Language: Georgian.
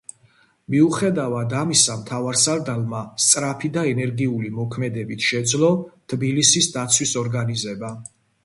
მიუხედავად ამისა, მთავარსარდალმა სწრაფი და ენერგიული მოქმედებით შეძლო თბილისის დაცვის ორგანიზება.